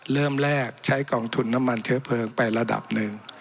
เริ่มแรกใช้กองทุนน้ำมันเชื้อเพลิงไประดับหนึ่ง